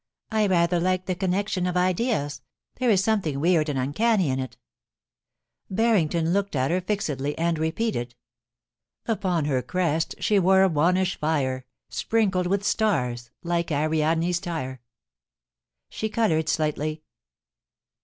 *I rather like the connec BARRINGTON AND HONOR! A. 159 tion of ideas ; there is something weird and uncanny in it' Barrington looked at her fixedly, and repeated —* Upon her crest she wore a wanntsh fire, Sprinkled with stars, like Ariadne's tiar.' She coloured slightly.